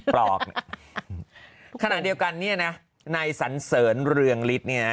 ปลอกเนี่ยขณะเดียวกันเนี่ยนะนายสันเสริญเรืองฤทธิ์เนี่ย